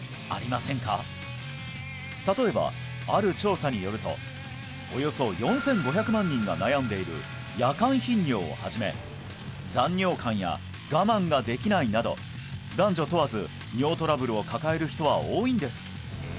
例えばある調査によるとおよそ４５００万人が悩んでいる夜間頻尿をはじめ残尿感や我慢ができないなど男女問わず尿トラブルを抱える人は多いんです